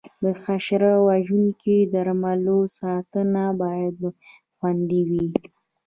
د حشره وژونکو درملو ساتنه باید خوندي وي.